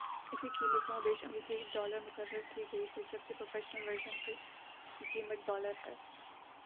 اسکی قیمت کم و بیش امریکی ڈالر مقرر کی گئ ہے جبکہ پروفیشنل ورژن کی قیمت ڈالر ہے